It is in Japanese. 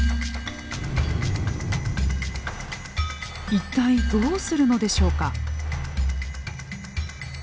一体どうするのでしょうか？